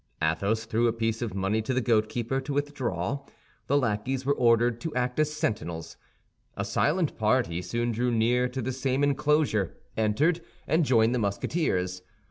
Athos threw a piece of money to the goatkeeper to withdraw. The lackeys were ordered to act as sentinels. A silent party soon drew near to the same enclosure, entered, and joined the Musketeers.